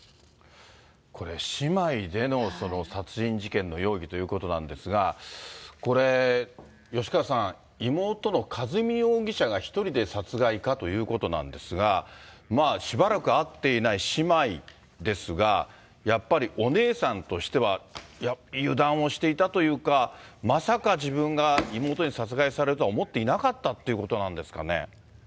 これ、姉妹でのその殺人事件の容疑ということなんですが、これ、吉川さん、妹の和美容疑者が１人で殺害かということなんですが、しばらく会っていない姉妹ですが、やっぱりお姉さんとしては、油断をしていたというか、まさか自分が妹に殺害されるとは思っていなかったっていうことなんですかね。